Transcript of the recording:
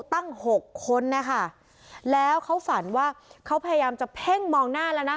หกคนนะคะแล้วเขาฝันว่าเขาพยายามจะเพ่งมองหน้าแล้วนะ